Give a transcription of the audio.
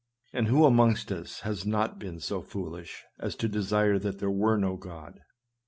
And who amongst us has not been so foolish as to desire that there were no God?